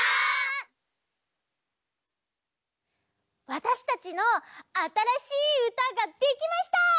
わたしたちのあたらしいうたができました！